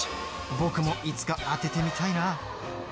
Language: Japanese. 僕もいつか当ててみたいな。